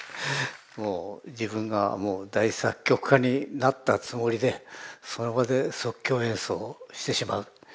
もう自分が大作曲家になったつもりでその場で即興演奏してしまう。